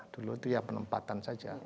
dulu itu ya penempatan saja